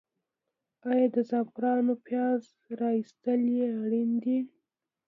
آیا د زعفرانو پیاز را ایستل اړین دي؟